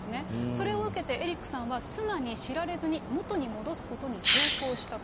それを受けて、エリックさんは妻に知られずに、元に戻すことに成功したと。